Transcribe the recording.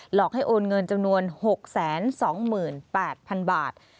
หลอกให้โอนเงินจำนวน๖๒๘๐๐๐บาท